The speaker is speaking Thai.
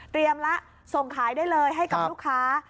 เตรียมแล้วส่งขายได้เลยให้กับลูกค้า